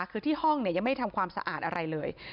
คือที่ห้องยังไม่ทำความสะอาดอะไรเลย